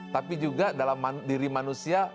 tapi juga dalam diri manusia